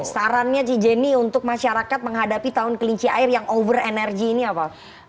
sarannya ci jenny untuk masyarakat menghadapi tahun kelinci air yang over energy ini apa